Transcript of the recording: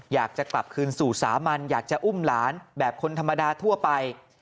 อยากจะกลับคืนสู่สามัญอยากจะอุ้มหลานแบบคนธรรมดาทั่วไป